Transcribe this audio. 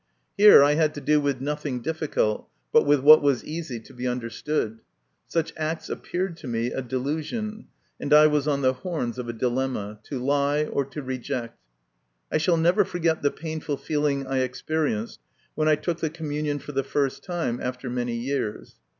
Here I had to do with nothing difficult, but with what was easy to be understood ; such acts appeared to me a delusion, and I was on the horns of a dilemma to lie, or to reject. I shall never forget the painful feeling I experienced when I took the communion for the first time after many years.